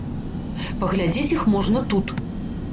Паглядзець іх можна тут.